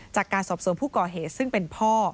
จากการสอบสวนผู้ก่อเหตุซึ่งเป็นพ่อ